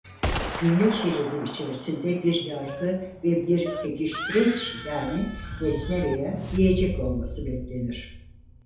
Cümle şeridi içerisinde bir yargı ve bir pekiştireç yani nesne veya yiyecek olması beklenir.